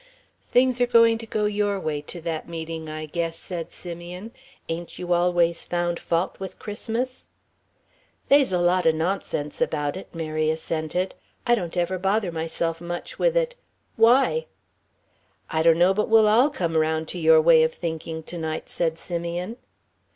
"Things are going to go your way to that meeting, I guess," said Simeon; "ain't you always found fault with Christmas?" "They's a lot o' nonsense about it," Mary assented; "I don't ever bother myself much with it. Why?" "I donno but we'll all come round to your way of thinking to night," said Simeon.